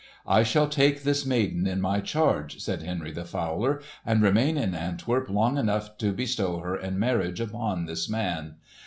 "I shall take this maiden in my charge," said Henry the Fowler, "and remain in Antwerp long enough to bestow her in marriage upon this man.